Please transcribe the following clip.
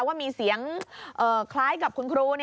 ว่ามีเสียงคล้ายกับคุณครู